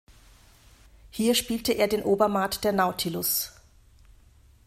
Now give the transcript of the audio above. Hier spielte er den Obermaat der "Nautilus".